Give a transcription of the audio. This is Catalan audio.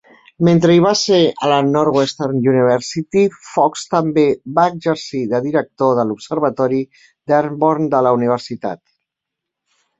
Mentre hi va ser a la Northwestern University, Fox també va exercir de director de l'observatori Dearborn de la universitat.